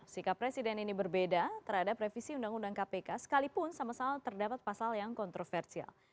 sikap presiden ini berbeda terhadap revisi undang undang kpk sekalipun sama sama terdapat pasal yang kontroversial